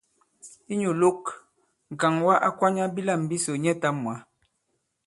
Inyū ìlok, ŋ̀kàŋwa a kwanya bilâm bisò nyɛtām mwǎ.